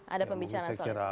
ada pembicaraan soal itu